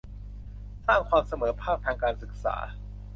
สร้างความเสมอภาคทางการศึกษา